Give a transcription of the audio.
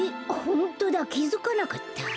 ホントだきづかなかった。